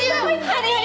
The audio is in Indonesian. aduh aduh aduh